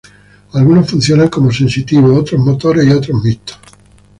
Algunos funcionan como sensitivos, otros motores y otros mixtos.